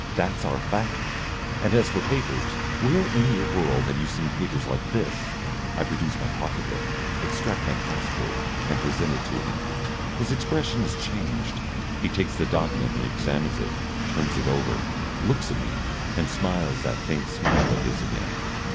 That's our fact. And as for papers ! Where in your world have you seen papers like this?" I produce my pocket book, extract my passport, and present it to him. His expression has changed. He takes the document and examines it, turns it over, looks at me, and smiles that faint smile of his again.